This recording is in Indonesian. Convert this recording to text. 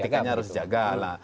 etikanya harus dijaga